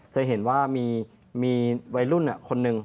จะเห็นว่ามีวัยรุ่นคนหนึ่ง